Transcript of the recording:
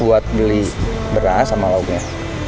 buat beli beras sama lauknya